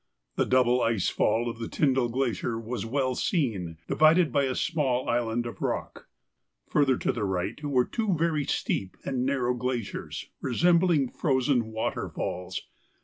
The double ice fall of the Tyndall Glacier was well seen, divided by a small island of rock; further to the right were two very steep and narrow glaciers, resembling frozen waterfalls.